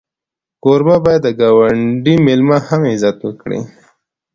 کوربه باید د ګاونډي میلمه هم عزت کړي.